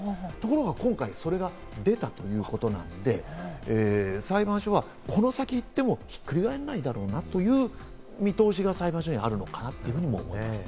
ところが今回、それが出たということなんで、裁判所はこの先いっても、ひっくり返らないだろうなという見通しが裁判所にあるんだなと思います。